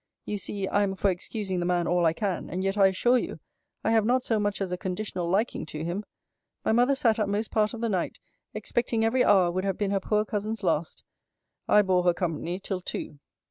You see I am for excusing the man all I can; and yet, I assure you, I have not so much as a conditional liking to him. My mother sat up most part of the night, expecting every hour would have been her poor cousin's last. I bore her company till two.